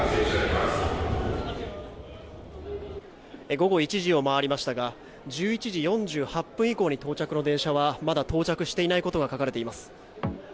午後１時を回りましたが１１時４８分以降に到着の電車はまだ到着していないことが書かれています。